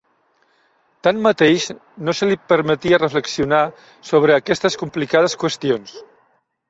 Tanmateix, no se li permetia reflexionar sobre aquestes complicades qüestions.